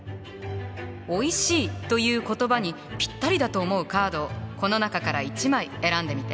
「おいしい」という言葉にぴったりだと思うカードをこの中から１枚選んでみて。